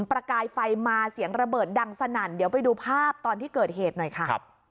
ประกายไฟมาเสียงระเบิดดังสนั่นเดี๋ยวไปดูภาพตอนที่เกิดเหตุหน่อยค่ะ